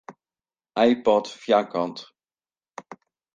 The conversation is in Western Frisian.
iPod foarkant.